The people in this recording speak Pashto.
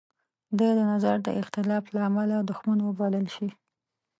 دی د نظر د اختلاف لامله دوښمن وبلل شي.